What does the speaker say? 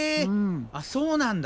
あっそうなんだ。